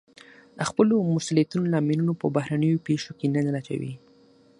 د خپلو مسوليتونو لاملونه په بهرنيو پېښو کې نه لټوي.